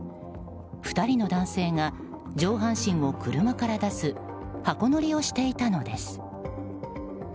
２人の男性が上半身を車から出す箱乗りをしていたのです。